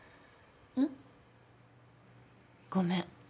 うん？ごめん。